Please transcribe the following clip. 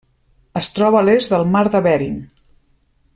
Es troba a l'est del Mar de Bering.